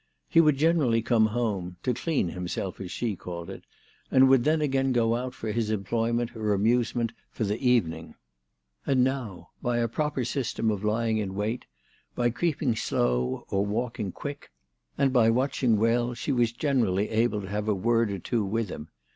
He would generally come home, to clean himself as she called it, and would then again go out for his employment or amuse ment for the evening ; and now, by a proper system of lying in wait, by creeping slow or walking quick, and 288 THE TELEGRAPH GIRL. by watching well, she was generally able to have a word or two with him.